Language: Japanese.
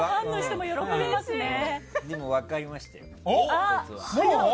でも分かりましたよ。